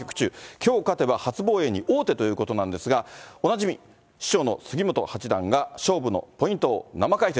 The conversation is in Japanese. きょう勝てば、初防衛に王手ということなんですが、おなじみ師匠の杉本八段が勝負のポイントを生解説。